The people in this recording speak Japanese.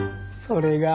それが。